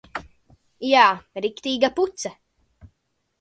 Jā. Riktīga puce.